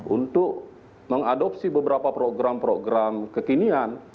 untuk mengadopsi beberapa program program kekinian